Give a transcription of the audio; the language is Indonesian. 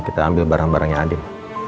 kita ambil barang barangnya adem